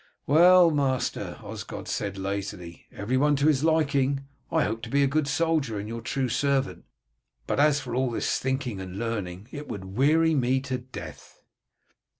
"Well, master," Osgod said lazily, "every one to his liking. I hope to be a good soldier and your true servant, but as for all this thinking and learning it would weary me to death."